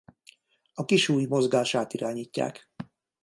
A kisujj mozgását irányítják.